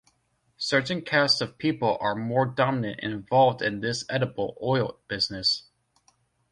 Certain cast of people are more dominant and involved in this edible oil business.